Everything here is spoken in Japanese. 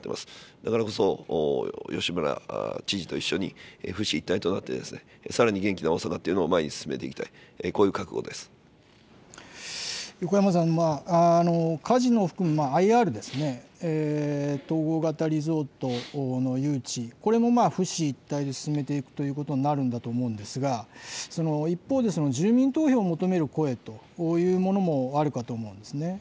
だからこそ、吉村知事と一緒に、府市一体となって、さらに元気な大阪というのを前に進めていきた横山さん、カジノを含むＩＲですね、統合型リゾートの誘致、これもまあ、府市一体で進めていくということになるんだと思うんですが、一方で住民投票を求める声というものもあるかと思うんですね。